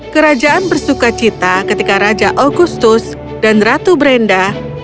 kerajaan bersuka cita ketika raja augustus dan ratu brenda